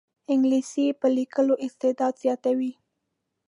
انګلیسي د لیکلو استعداد زیاتوي